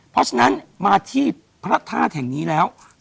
เพราะฉะนั้นมาที่พระธาตุแห่งนี้แล้ว